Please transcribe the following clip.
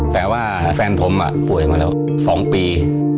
แต่ว่าแฟนผมป่วยมาแล้ว๒ปี